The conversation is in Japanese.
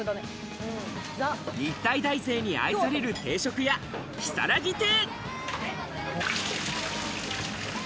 日体大生に愛される定食屋、きさらぎ亭！